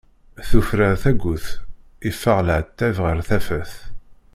Tufrar tagut, iffeɣ leɛtab ɣeṛ tafat.